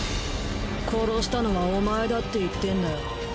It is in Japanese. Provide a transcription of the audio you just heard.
殺したのはお前だって言ってんだよ。